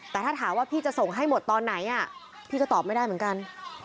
แต่ถ้าถามว่าพี่จะส่งให้หมดตอนไหนพี่ก็ตอบไม่ได้เหมือนกัน